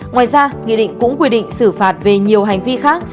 ngoài ra nghị định cũng quy định xử phạt về nhiều hành vi khác